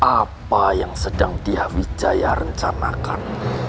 apa yang sedang dia wijaya rencanakan